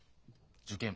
受験。